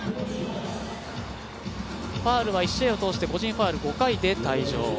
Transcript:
ファウルは１試合を通して個人ファウル５回で退場。